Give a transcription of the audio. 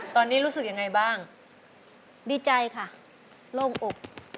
ตอนนี้รู้สึกยังไงบ้างดีใจค่ะโล่งอก